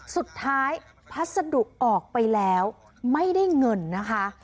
สุดท้ายพัฒนธุออกไปแล้วไม่ได้เงินนะคะ